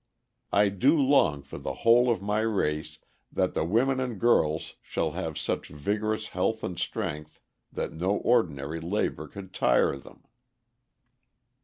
I do long for the whole of my race that the women and girls shall have such vigorous health and strength that no ordinary labor could tire them.